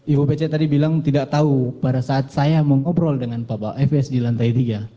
ibu pece tadi bilang tidak tahu pada saat saya mengobrol dengan bapak fs di lantai tiga